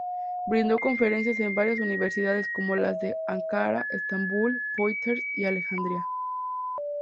Brindó conferencias en varias universidades, como las de Ankara, Estambul, Poitiers y Alejandría.